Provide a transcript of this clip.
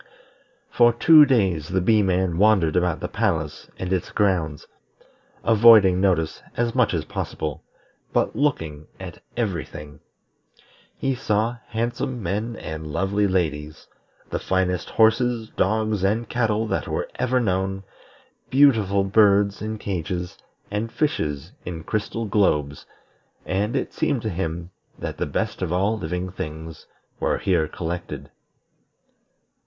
For two days the Bee man wandered about the palace and its grounds, avoiding notice as much as possible, but looking at every thing. He saw handsome men and lovely ladies; the finest horses, dogs, and cattle that were ever known; beautiful birds in cages, and fishes in crystal globes, and it seemed to him that the best of all living things were here collected.